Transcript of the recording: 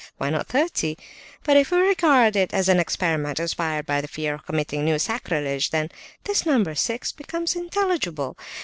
Why not thirty? But if we regard it as an experiment, inspired by the fear of committing new sacrilege, then this number six becomes intelligible.